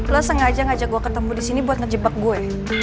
lo sengaja ngajak gue ketemu disini buat ngejebak gue